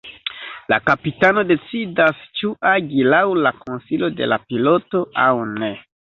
La kapitano decidas ĉu agi laŭ la konsilo de la piloto aŭ ne.